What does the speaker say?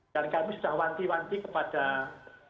dan kami sudah wanti wanti kepada dinas pendidikan untuk